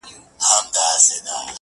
چا ته دم چا ته دوا د رنځ شفا سي،